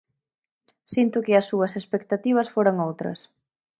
Sinto que as súas expectativas foran outras.